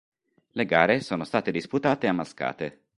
Le gare sono state disputate a Mascate.